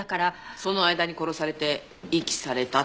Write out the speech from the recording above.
その間に殺されて遺棄されたって事。